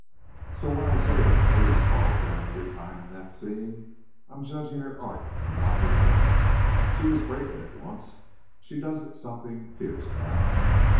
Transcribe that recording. So, when I say that Clarice falls down every time in that scene I'm judging her art and not herself. She was great in it once. She does it something fierce now.